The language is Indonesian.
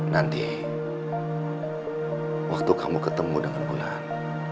nanti waktu kamu ketemu dengan bulan